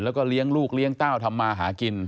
แล้วก็เลี้ยงลูกเลี้ยงเต้าทำมาหากิน